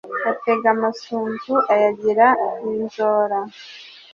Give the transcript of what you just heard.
atega amasunzu ayagira inzora